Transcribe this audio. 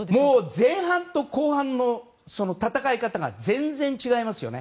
前半と後半の戦い方が全然、違いますよね。